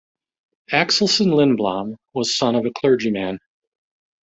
Axelsson Lindblom was son of a clergyman.